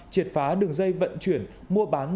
triệt phá đường dây vận chuyển mua bán